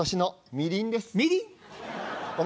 みりん？